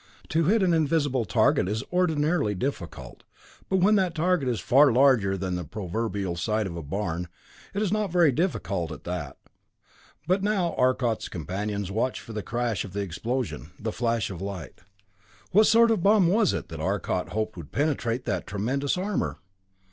To hit an invisible target is ordinarily difficult, but when that target is far larger than the proverbial side of a barn, it is not very difficult, at that. But now Arcot's companions watched for the crash of the explosion, the flash of light. What sort of bomb was it that Arcot hoped would penetrate that tremendous armor?